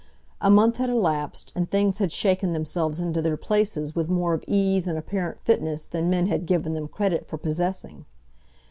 A month had elapsed, and things had shaken themselves into their places with more of ease and apparent fitness than men had given them credit for possessing.